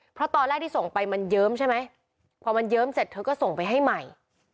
เพราะตอนแรกที่ส่งไปมันเยิ้มใช่ไหมพอมันเยิ้มเสร็จเธอก็ส่งไปให้ใหม่